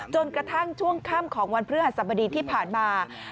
จนกระทั่งช่วงข้ามของวันเพื่อหสมดีที่ผ่านมา